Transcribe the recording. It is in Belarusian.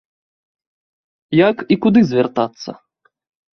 Як і куды звяртацца?